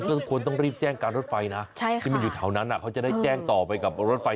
ก็ควรต้องรีบแจ้งการรถไฟนะที่มันอยู่แถวนั้นเขาจะได้แจ้งต่อไปกับรถไฟ